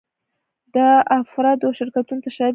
دا افرادو او شرکتونو ته شرایط برابرول دي.